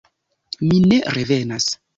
Mi ne revenas.